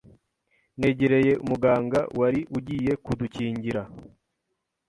Negereye umuganga wari ugiye kudukingira